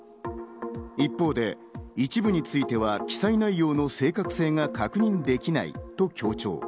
一方で一部については記載内容の正確性が確認できないと強調。